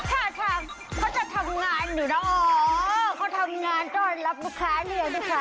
ท่าทางเขาจะทำงานอยู่น่ะอ๋อเขาทำงานจ้อนรับลูกค้าเนี้ยลูกค้า